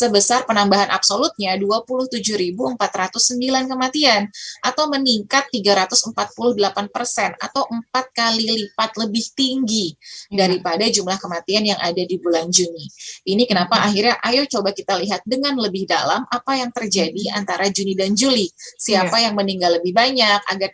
barangkali kemudian jenis kelamin ya